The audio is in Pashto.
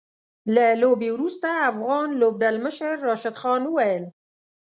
له لوبې وروسته افغان لوبډلمشر راشد خان وويل